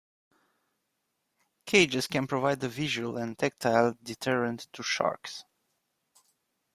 Cages can provide a visual and tactile deterrent to sharks.